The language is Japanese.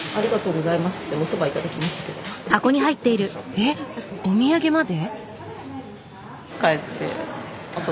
えっお土産まで？